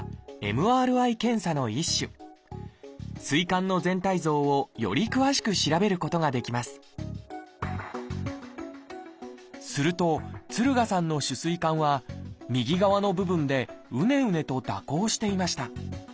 膵管の全体像をより詳しく調べることができますすると敦賀さんの主膵管は右側の部分でうねうねと蛇行していました。